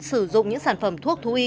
sử dụng những sản phẩm thuốc thú y